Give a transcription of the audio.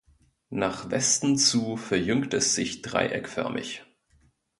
Nach Westen zu verjüngt es sich dreieckfömig.